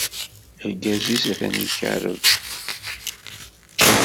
Argaz-is ata ikeṛṛeb.